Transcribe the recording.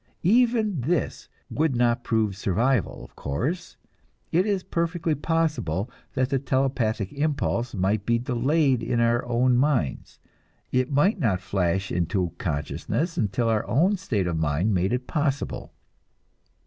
Even this would not prove survival, of course; it is perfectly possible that the telepathic impulse might be delayed in our own minds, it might not flash into consciousness until our own state of mind made it possible.